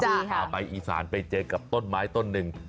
พาไปอีสานไปเจอกับต้นไม้ต้นหนึ่ง